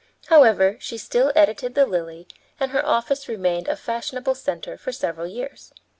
However, she still edited the Lily, and her office remained a fashionable center for several years.